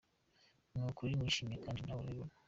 Ni ukuri nishimye kandi nawe urabibona.